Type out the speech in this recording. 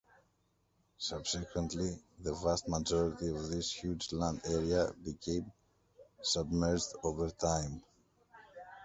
Subsequently the vast majority of this huge land area became submerged over time.